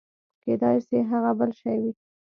کېداى سي هغه بل شى وي.